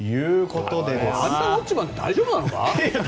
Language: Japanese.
「アンタウォッチマン！」って大丈夫なのか？